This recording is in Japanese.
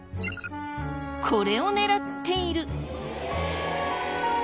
これを狙っている。